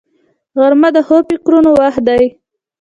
غرمه د ښو فکرونو وخت دی